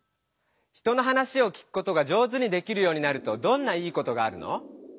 人の話を聞くことが上手にできるようになるとどんないいことがあるの？